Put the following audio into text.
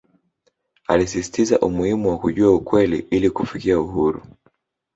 Alisisitiza umuhimu wa kujua ukweli ili kufikia uhuru